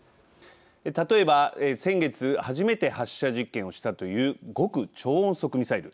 例えば、先月初めて発射実験をしたという極超音速ミサイル。